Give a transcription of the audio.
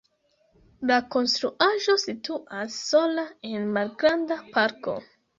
La konstruaĵo situas sola en malgranda parko.